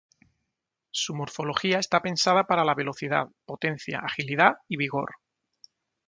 Su morfología está pensada para la velocidad, potencia, agilidad y vigor.